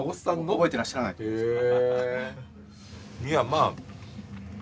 覚えてらっしゃらないと思いますけど。